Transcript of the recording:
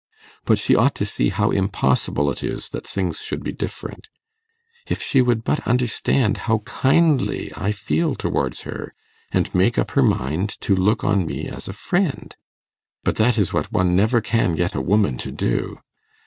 But she ought to see how impossible it is that things should be different. If she would but understand how kindly I feel towards her, and make up her mind to look on me as a friend; but that is what one never can get a woman to do.